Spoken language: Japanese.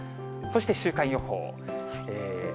そして週間予報。